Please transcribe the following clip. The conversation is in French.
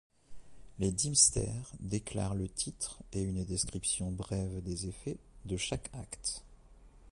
Les deemsters déclarent le titre, et une description brève des effets, de chaque acte.